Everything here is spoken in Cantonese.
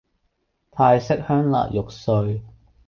泰式香辣肉碎